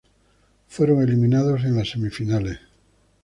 Fueron eliminados en las semifinales.